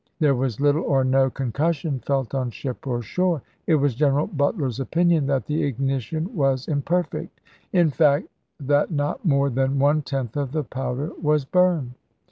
There was little or no concus sion felt on ship or shore. It was General Butler's opinion that the ignition was imperfect; in fact, that not more than one tenth of the powder was burned.